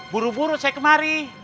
buru buru saya kemari